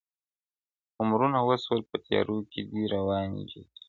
عمرونه وسول په تیارو کي دي رواني جرګې!!